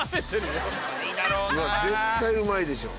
絶対うまいでしょ